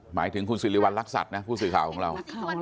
หมายถึงคุณสิริวัณรักษัตริย์นะผู้สื่อข่าวของเรา